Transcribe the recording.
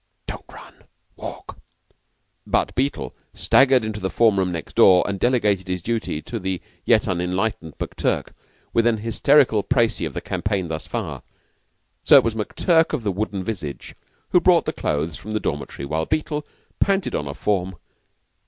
"Don't run. Walk." But Beetle staggered into the form room next door, and delegated his duty to the yet unenlightened McTurk, with an hysterical precis of the campaign thus far. So it was McTurk, of the wooden visage, who brought the clothes from the dormitory while Beetle panted on a form.